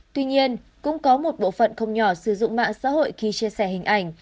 tuy nhiên cũng có một bộ phận không nhỏ sử dụng mạng xã hội khi chia sẻ hình ảnh